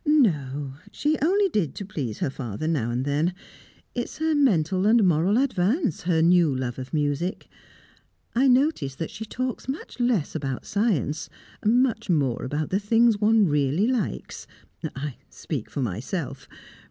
"No; she only did to please her father now and then. It's a mental and moral advance, her new love of music. I notice that she talks much less about science, much more about the things one really likes I speak for myself.